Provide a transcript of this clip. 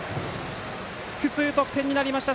複数得点になりました